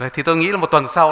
thì tôi nghĩ là một tuần sau